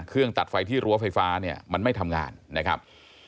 ตัดไฟที่รั้วไฟฟ้าเนี่ยมันไม่ทำงานนะครับ